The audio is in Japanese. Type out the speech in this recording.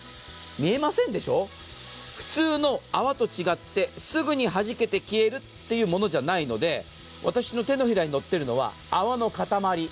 見えませんでしょう、普通の泡と違って、すぐに弾けて消えるというものじゃないので、私の手のひらに乗っているのは泡の塊。